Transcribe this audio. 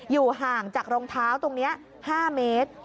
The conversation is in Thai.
อยู่ห่างจากรองเท้าตรงนี้๕เมตร